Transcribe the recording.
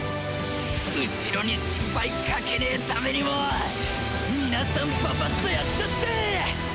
後衛に心配かけね為にも皆さんパパッとやっちゃって！